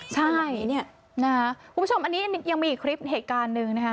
คุณผู้ชมอันนี้ยังมีอีกคลิปเหตุการณ์